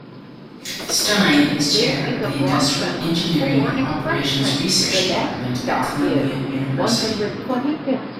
Stein is chair of the Industrial Engineering and Operations Research Department at Columbia University.